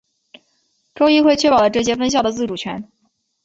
州议会确保了这些分校的自主权。